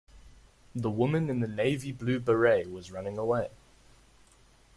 The woman in the navy blue beret was running away.